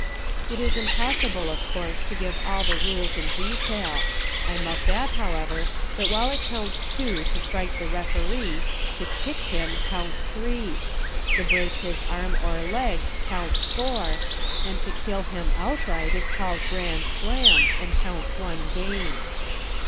It is impossible, of course, to give all the rules in detail. I might add, however, that while it counts TWO to strike the referee, to kick him counts THREE. To break his arm or leg counts FOUR, and to kill him outright is called GRAND SLAM and counts one game.